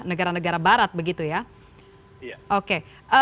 negara negara barat begitu ya oke